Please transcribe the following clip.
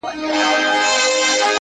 او د یوې ځانګړې زمانې